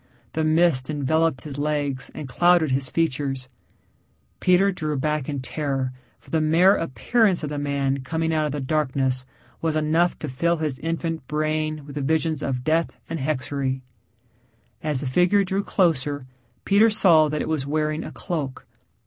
The mist enveloped his legs and clouded his features. Peter drew back in terror, for the mere appearance of the man coming out of the darkness was enough to fill his infant brain with visions of death and hexerei. As the figure drew closer Peter saw that it was wearing a cloak.